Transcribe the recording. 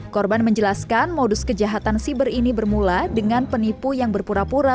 korban menjelaskan modus kejahatan siber ini bermula dengan penipu yang berpura pura